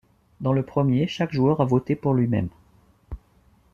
Dans le premier, chaque joueur a voté pour lui-même.